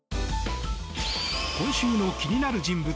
今週の気になる人物